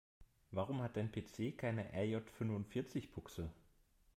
Warum hat dein PC keine RJ-fünfundvierzig-Buchse?